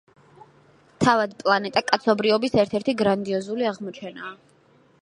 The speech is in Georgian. თავად პლანეტა კაცობრიობის ერთ-ერთი გრანდიოზული აღმოჩენაა.